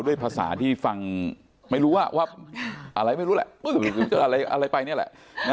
ด้วยภาษาที่ฟังไม่รู้ว่าอะไรไม่รู้แหละอะไรไปเนี่ยแหละ